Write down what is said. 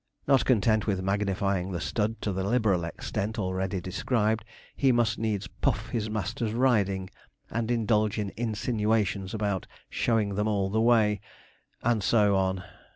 Not content with magnifying the stud to the liberal extent already described, he must needs puff his master's riding, and indulge in insinuations about 'showing them all the way,' and so on.